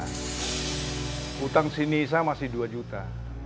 namun si nisa masih dua juta